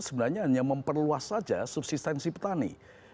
sebenarnya hanya memperluas saja subsistensi petani